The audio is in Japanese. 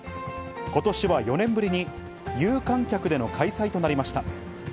ことしは４年ぶりに、有観客での開催となりました。